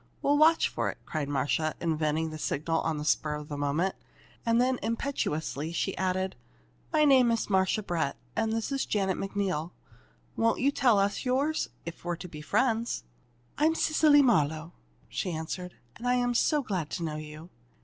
We'll watch for it!" cried Marcia, inventing the signal on the spur of the moment. And then, impetuously, she added: "My name is Marcia Brett, and this is Janet McNeil. Won't you tell us yours, if we're to be friends?" "I'm Cecily Marlowe," she answered, "and I'm so glad to know you."